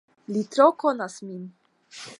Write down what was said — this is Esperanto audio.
Li tro konas min.